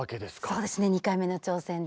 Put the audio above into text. そうですね２回目の挑戦で。